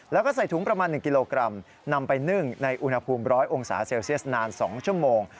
แล้วก็ใส่ถุงประมาณ๑กิโลกรัมนำไปนึ่งในอุณหภูมิ๑๐๐องศาเซลเซียสนาน๒ชั่วโมง